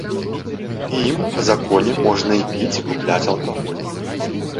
І ім, па законе, можна і піць, і купляць алкаголь.